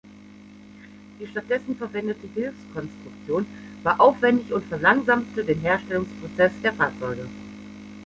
Die stattdessen verwendete Hilfskonstruktion war aufwendig und verlangsamte den Herstellungsprozess der Fahrzeuge.